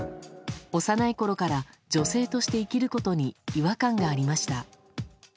幼いころから女性として生きることに違和感がありました。